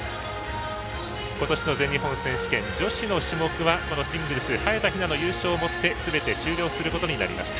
今年の全日本選手権女子の種目はこのシングルス早田ひなの優勝をもってすべて終了することになりました。